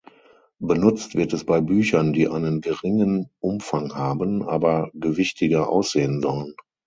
Benutzt wird es bei Büchern, die einen geringen Umfang haben, aber gewichtiger aussehen sollen.